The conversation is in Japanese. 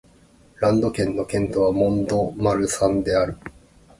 ランド県の県都はモン＝ド＝マルサンである